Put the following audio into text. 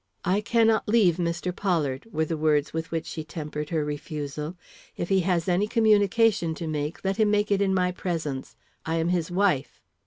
"I cannot leave Mr. Pollard," were the words with which she tempered her refusal. "If he has any communication to make, let him make it in my presence. I am his wife."